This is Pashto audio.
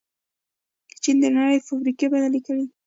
چین د نړۍ فابریکې بلل کېږي.